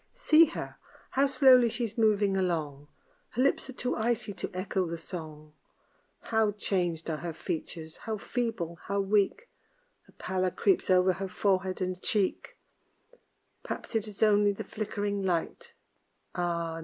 See her! How slowly she's moving along Her lips are too icy to echo the song. How changed are her features! How feeble! how weak! A pallor creeps over her forehead and cheek Perhaps it is only the flickering light, Ah!